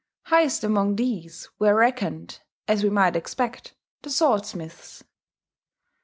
Highest among these were reckoned, as we might expect, the sword smiths.